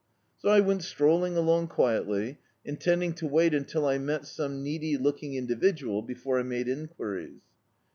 So I went strolling al(»ig quietly, intending to wait until I met scxne needy looking individual before I made enquiries.